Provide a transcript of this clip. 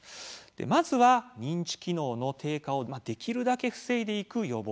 まずは認知機能の低下をできるだけ防いでいく予防